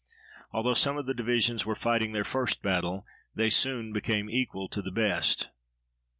Although some of the divisions were fighting their first battle, they soon became equal to the best.